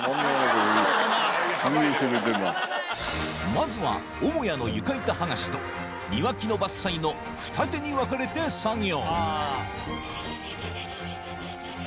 まずは母屋の床板はがしと庭木の伐採のふた手に分かれて作業